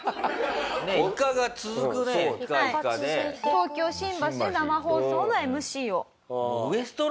東京新橋で生放送のＭＣを。